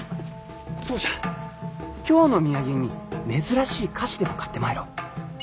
そうじゃ京の土産に珍しい菓子でも買ってまいろう。